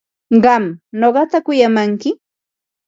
¿Qam nuqata kuyamanki?